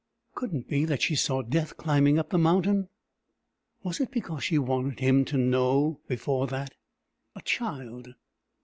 Couldn't be that she saw death climbing up the mountain? Was it because she wanted him to know before that? A child!